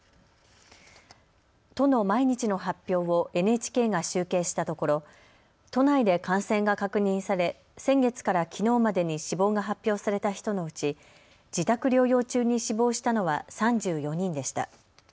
都の毎日の発表をＮＨＫが集計したところ都内で感染が確認され先月からきのうまでに死亡が発表された人のうち自宅療養中に死亡したのは３４人でした。